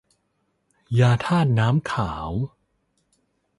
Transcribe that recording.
ยาธาตุน้ำขาว